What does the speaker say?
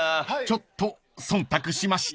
［ちょっと忖度しました］